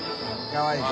かわいい。